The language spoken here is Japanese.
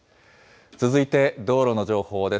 続いて道路の情報です。